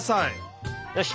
よし！